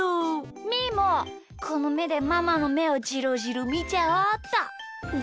みーもこのめでママのめをじろじろみちゃおうっと。